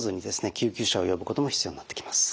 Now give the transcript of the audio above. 救急車を呼ぶことも必要になってきます。